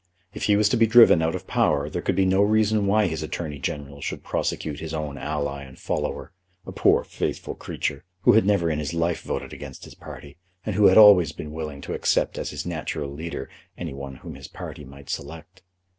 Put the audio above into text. If he was to be driven out of power there could be no reason why his Attorney General should prosecute his own ally and follower, a poor, faithful creature, who had never in his life voted against his party, and who had always been willing to accept as his natural leader any one whom his party might select.